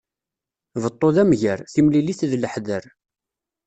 Beṭṭu d amger, timlilit d leḥder.